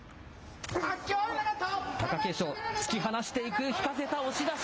貴景勝、突き放していく、引かせた、押し出し。